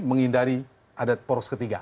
menghindari adat poros ketiga